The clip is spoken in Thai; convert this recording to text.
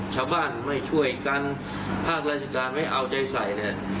ชาวบ้านไม่ช่วยกันภาคราชการไม่เอาใจใส่เนี่ย